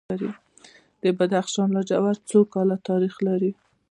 د بدخشان لاجورد څو کاله تاریخ لري؟